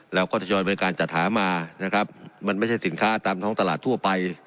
เราก็ทยอยบริการจัดหามานะครับมันไม่ใช่สินค้าตามท้องตลาดทั่วไป